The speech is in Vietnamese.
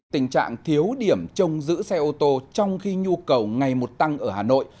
tình trạng thiếu điểm trông giữ xe ô tô trong khi nhu cầu ngày một tăng ở hà nội